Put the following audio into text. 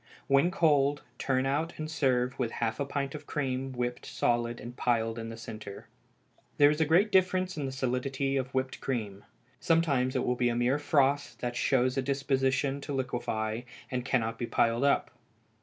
When cold, turn out and serve with half a pint of cream whipped solid and piled in the centre. There is a great difference in the solidity of whipped cream. Sometimes it will be a mere froth that shows a disposition to liquefy, and cannot be piled up.